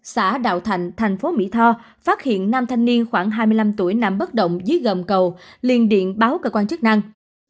xã đạo thạnh thành phố mỹ tho phát hiện nam thanh niên khoảng hai mươi năm tuổi nằm bất động dưới gầm cầu liền điện báo cơ quan chức năng